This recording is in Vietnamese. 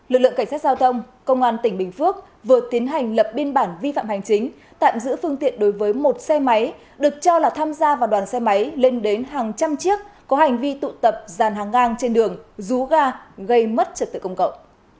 lực lượng cảnh sát giao thông công an tỉnh bình phước vừa tiến hành lập biên bản vi phạm hành chính tạm giữ phương tiện đối với một xe máy được cho là tham gia vào đoàn xe máy lên đến hàng trăm chiếc có hành vi tụ tập giàn hàng ngang trên đường rú ga gây mất trật tự công cộng